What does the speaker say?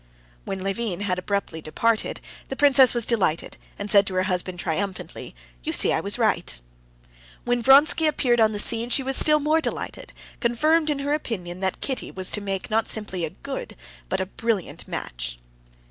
When Levin had abruptly departed, the princess was delighted, and said to her husband triumphantly: "You see I was right." When Vronsky appeared on the scene, she was still more delighted, confirmed in her opinion that Kitty was to make not simply a good, but a brilliant match.